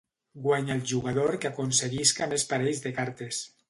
Guanya el jugador que aconseguisca més parells de cartes.